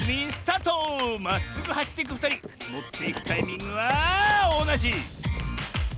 まっすぐはしっていくふたりもっていくタイミングはおなじ！